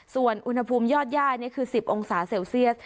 ส่วนอุณหภูมิยอดย่านี่คือ๑๐องศาเซลเซียส